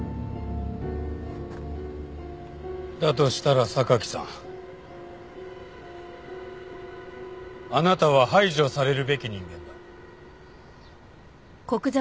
だとしたら榊さんあなたは排除されるべき人間だ。